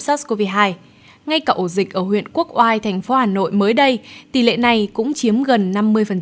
sars cov hai ngay cả ổ dịch ở huyện quốc oai thành phố hà nội mới đây tỷ lệ này cũng chiếm gần năm mươi